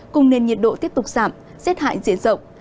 cùng nền nhiệt độ tiếp tục giảm rét hại diện rộng